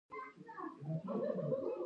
د افغانستان طبیعت له غزني څخه جوړ شوی دی.